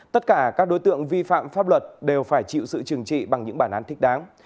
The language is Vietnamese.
tất cả các đối tượng vi phạm pháp luật đều phải chịu sự trừng trị bằng những bản án thích đáng